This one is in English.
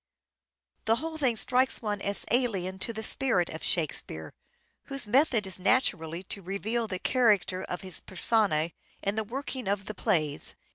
The whole thing strikes one as alien to the spirit of " Shakespeare," whose method is naturally to reveal the character of his personae in the working of the plays.